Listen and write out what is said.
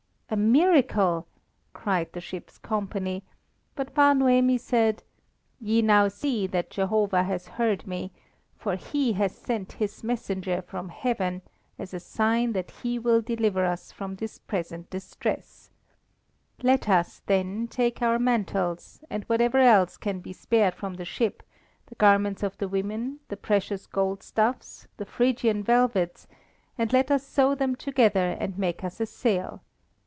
"A miracle!" cried the ship's company; but Bar Noemi said: "Ye now see that Jehovah has heard me, for He has sent His messenger from heaven as a sign that He will deliver us from this present distress. Let us, then, take our mantles, and whatever else can be spared from the ship, the garments of the women, the precious gold stuffs, the Phrygian velvets, and let us sew them together and make us a sail.